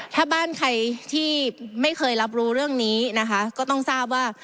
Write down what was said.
ถ้าบ้านใครที่ไม่เคยรับรู้เรื่องนี้นะคะก็ต้องทราบว่า